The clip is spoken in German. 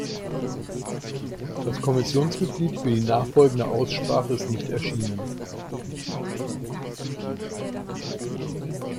Das Kommissionsmitglied für die nachfolgende Aussprache ist nicht erschienen.